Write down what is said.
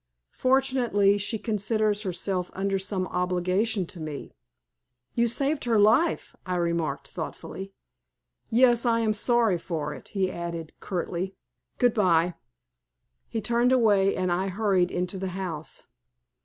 Fortunately she considers herself under some obligation to me." "You saved her life," I remarked, thoughtfully. "Yes, I am sorry for it," he added, curtly. "Goodbye." He turned away and I hurried into the house.